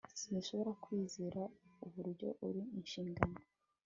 Sinshobora kwizera uburyo uri inshingano